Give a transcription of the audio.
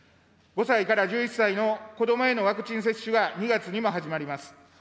５歳から１１歳の子どもへのワクチン接種が２月にも始まります。